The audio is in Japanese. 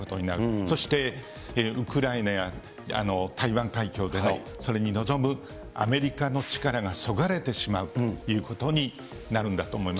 そしてウクライナや台湾海峡でのそれに臨むアメリカの力がそがれてしまうということになるんだと思います。